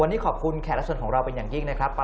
วันนี้ขอบคุณแขกรับเชิญของเราเป็นอย่างยิ่งนะครับ